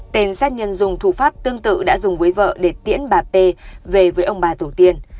tên sát nhân dùng thủ pháp tương tự đã dùng với vợ để tiễn bà p về với ông bà tổ tiên